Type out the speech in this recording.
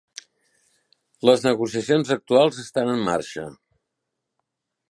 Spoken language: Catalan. Les negociacions actuals estan en marxa.